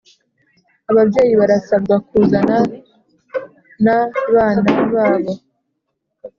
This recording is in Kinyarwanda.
Ababyeyi barasabwa kuzana n’bana babo